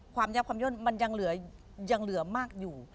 ความยับความย่นมันยังเหลือมากอยู่